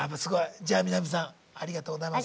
じゃあみな実さんありがとうございます。